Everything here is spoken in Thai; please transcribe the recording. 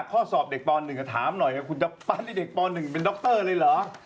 ข้อสอบเด็กป๑ถามหน่อยคุณจะปั้นให้เด็กป๑เป็นดรเลยเหรอ